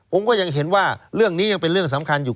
ผมก็ยังเห็นว่าเรื่องนี้ยังเป็นเรื่องสำคัญอยู่